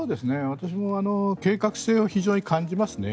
私も計画性を非常に感じますね。